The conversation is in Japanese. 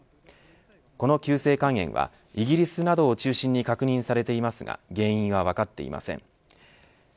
この急性肝炎はイギリスなどを中心に確認されていますが原因は分かっていません。